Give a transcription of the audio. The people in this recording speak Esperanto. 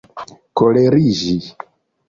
koleriĝi